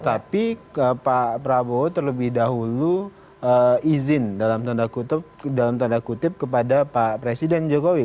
tapi pak prabowo terlebih dahulu izin dalam tanda kutip kepada pak presiden jokowi